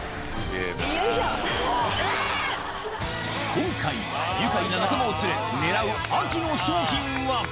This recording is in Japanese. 今回、愉快な仲間を連れ、狙う秋の商品は。